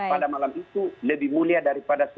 pada malam itu lebih mulia daripada